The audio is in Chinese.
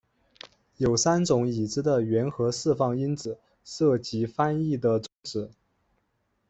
有三种已知的原核释放因子涉及翻译的终止。